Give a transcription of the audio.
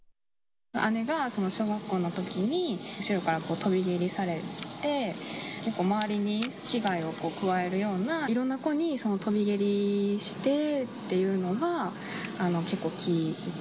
姉が小学校のときに、後ろから跳び蹴りされて、周りに危害を加えるような、いろんな子に跳び蹴りしてっていうのは、結構聞いてて。